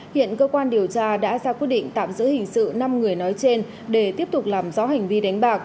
hiện cơ quan điều tra đã ra quyết định tạm giữ hình sự năm người nói trên để tiếp tục làm rõ hành vi đánh bạc